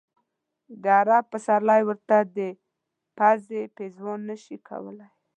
د عرب پسرلی ورته د پزې پېزوان نه شي کولای.